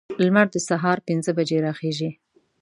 لمر د سهار پنځه بجې راخیزي.